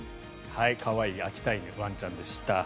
可愛い秋田犬ワンちゃんでした。